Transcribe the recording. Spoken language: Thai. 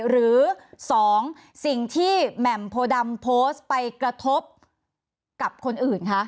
หรือ๒สิ่งที่แหม่มโพดำโพสต์ไปกระทบกับคนอื่นคะ